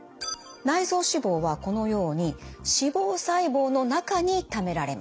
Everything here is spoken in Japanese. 内臓脂肪はこのように脂肪細胞の中にためられます。